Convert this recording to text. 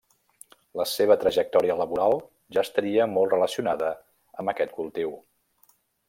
La seva trajectòria laboral ja estaria molt relacionada amb aquest cultiu.